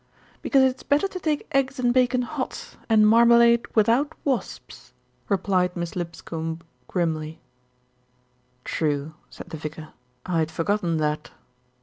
"Because it's better to take eggs and bacon hot, and marmalade without wasps," replied Miss Lipscombe grimly. "True," said the Vicar, "I had forgotten that.